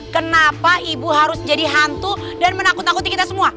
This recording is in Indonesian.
kenapa ibu harus jadi hantu dan menakut takuti kita semua